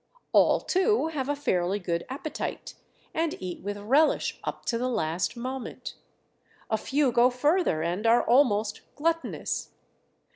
All too have a fairly good appetite, and eat with relish, up to the last moment. A few go further, and are almost gluttonous.